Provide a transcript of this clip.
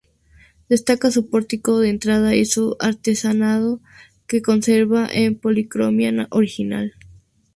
Destaca su pórtico de entrada y su artesonado, que conserva su policromía original.